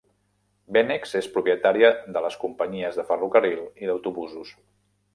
BeNex és propietària de les companyies de ferrocarril i d'autobusos.